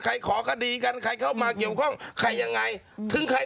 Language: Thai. ใครขอกดีกันใครเข้ามาเกี่ยวข้องใครยังไง